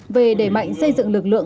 về đẩy mạnh xây dựng lực lượng